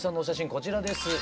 こちらです。